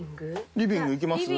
リビングいきますか？